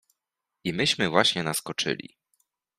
I myśmy właśnie naskoczyli.